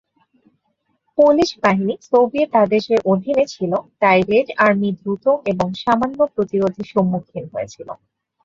Polish বাহিনী Soviet আদেশের অধীনে ছিল, তাই রেড আর্মি দ্রুত এবং সামান্য প্রতিরোধের সম্মুখীন হয়েছিল।